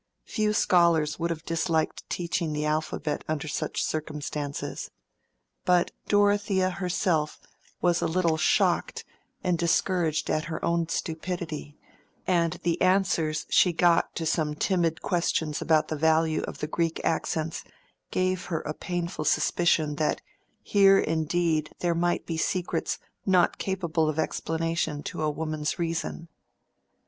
Few scholars would have disliked teaching the alphabet under such circumstances. But Dorothea herself was a little shocked and discouraged at her own stupidity, and the answers she got to some timid questions about the value of the Greek accents gave her a painful suspicion that here indeed there might be secrets not capable of explanation to a woman's reason.